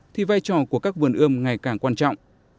thì vai trò của các vườn ươm ngày càng quan trọng